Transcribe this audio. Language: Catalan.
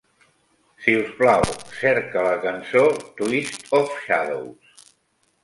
Si us plau, cerca la cançó "Twist of shadows.